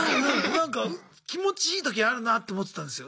なんか気持ちいい時あるなと思ってたんですよ。